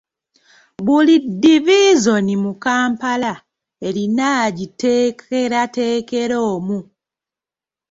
Buli diviizoni mu Kampala erina agiteekerateekera omu.